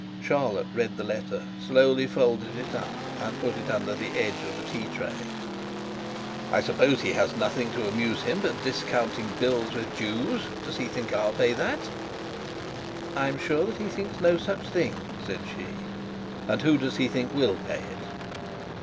Charlotte read the letter, slowly folded it up, and put it under the edge of the tea tray. 'I suppose he has nothing to amuse him but discounting bills with Jews. Does he think I'll pay that?' 'I am sure he thinks no such thing,' said she. 'And who does he think will pay it?'